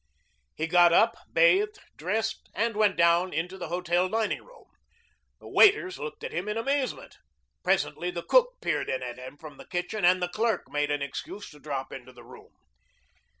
He got up, bathed, dressed, and went down into the hotel dining room. The waiters looked at him in amazement. Presently the cook peered in at him from the kitchen and the clerk made an excuse to drop into the room.